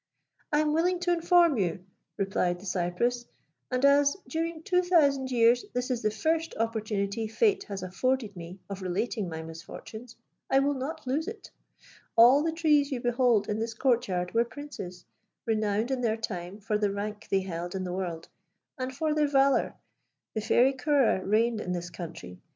"I am willing to inform you," replied the cypress; "and as, during two thousand years, this is the first opportunity Fate has afforded me of relating my misfortunes, I will not lose it. All the trees you behold in this court yard were princes, renowned in their time for the rank they held in the world, and for their valour. The Fairy Ceora reigned in this country.